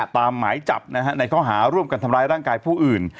หมายจับในข้อหาร่วมกันทำร้ายร่างกายผู้อื่น